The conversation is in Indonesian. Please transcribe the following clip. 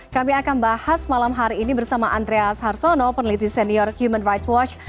kami akan bahas malam hari ini bersama andreas harsono peneliti senior human rights watch